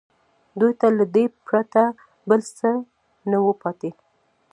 دوی ته له دې پرته بل څه نه وو پاتې